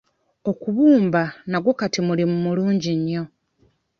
Okubumba nagwo kati mulimu mulungi nnyo.